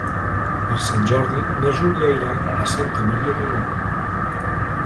Per Sant Jordi na Júlia irà a Santa Maria d'Oló.